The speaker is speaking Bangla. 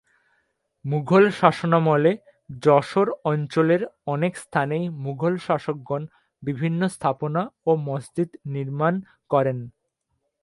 মুঘল শাসনামলে যশোর অঞ্চলের অনেক স্থানেই মুঘল শাসকগণ বিভিন্ন স্থাপনা ও মসজিদ নির্মাণ করেন।